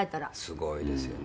すごいですよね。